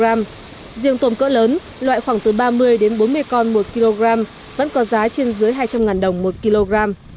riêng tôm cỡ lớn loại khoảng từ ba mươi đến bốn mươi con một kg vẫn có giá trên dưới hai trăm linh đồng một kg